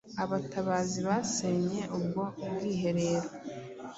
Abatabazi basenye ubwo bwiherero